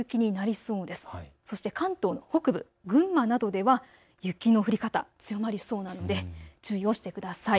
そして関東の北部、群馬などでは雪の降り方、強まりそうなので注意をしてください。